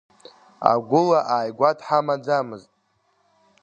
Агәыла ааигәа дҳамаӡамызт.